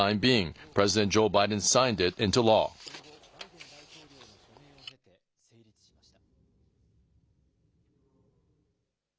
その後、バイデン大統領の署名を経て、成立しました。